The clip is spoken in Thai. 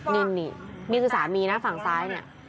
นี่นี่คือสามีนะฝั่งซ้ายเนี่ย